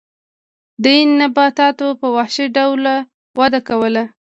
دې نباتاتو په وحشي ډول وده کوله.